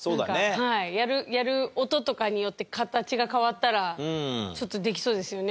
やる音とかによって形が変わったらちょっとできそうですよね